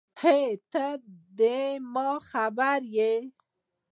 هی ته ده ما خبر یی